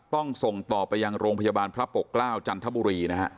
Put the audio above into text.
ต้องส่งต่อไปยังโรงพยาบาลพระปกเกล้าจันทบุรีนะฮะ